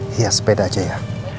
hias sepeda aja ya